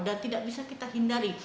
dan tidak bisa kita hindari